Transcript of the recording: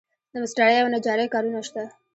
د مسترۍ او نجارۍ کارونه شته